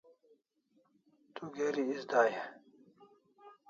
Tu geri is day e?